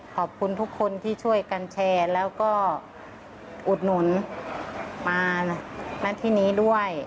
ขอบคุณทุกคนที่ช่วยกันแชร์แล้วก็อุดหนุนมาณที่นี้ด้วย